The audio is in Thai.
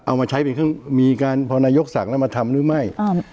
เอามาใช้เป็นเครื่องมีการพอนายกสั่งแล้วมาทำหรือไม่